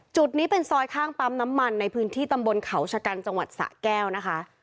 จุดนี้เป็นซอยข้างปั๊มน้ำมันในพื้นที่ตำบลเขาชะกันจังหวัดสะแก้วนะคะ